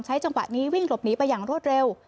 จังหวะนี้วิ่งหลบหนีไปอย่างรวดเร็ว